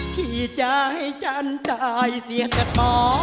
ที่จะให้ฉันตายเสียแต่พอ